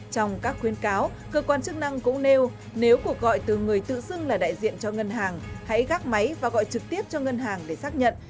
trong các khuyến cáo cơ quan chức năng cũng nêu nếu cuộc gọi từ người tự xưng là đại diện cho ngân hàng hãy gác máy và gọi trực tiếp cho ngân hàng để xác nhận